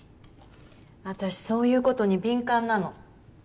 私そういうことに敏感なの。